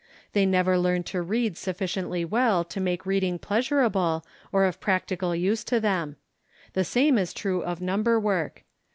They never learn to read sufficiently well to make reading pleasurable or of practical use to them. The same is true of number work.